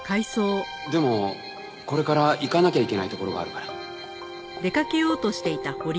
でもこれから行かなきゃいけない所があるから。